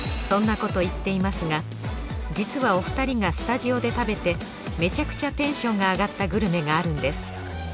そんなこと言っていますが実はお二人がスタジオで食べてめちゃくちゃテンションが上がったグルメがあるんです。